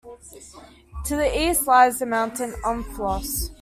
To the east lies the mountain Omplos.